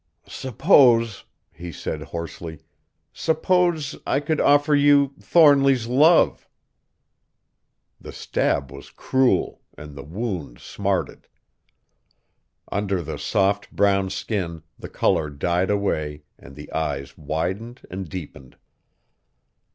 "Suppose," he said hoarsely, "suppose I could offer you Thornly's love?" The stab was cruel, and the wound smarted. Under the soft, brown skin the color died away, and the eyes widened and deepened.